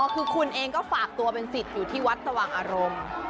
คือคุณเองก็ฝากตัวเป็นสิทธิ์อยู่ที่วัดสว่างอารมณ์